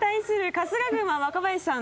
春日軍は若林さん